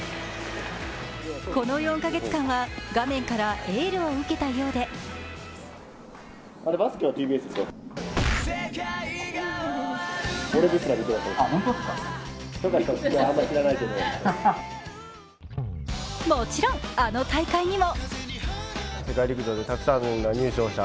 この４か月間は画面からエールを受けたようでもちろん、あの大会にも！